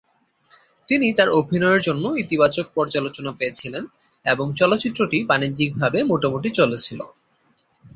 তিনি তাঁর অভিনয়ের জন্য ইতিবাচক পর্যালোচনা পেয়েছিলেন এবং চলচ্চিত্রটি বাণিজ্যিকভাবে মোটামুটি চলেছিল।